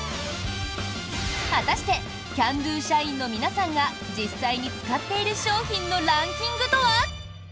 果たしてＣａｎ★Ｄｏ社員の皆さんが実際に使っている商品のランキングとは？